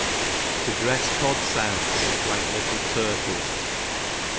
9^ drefs Cod Sounds like little Turkeys.